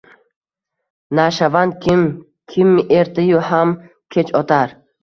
Nashavand kim, kim ertayu ham kech otar.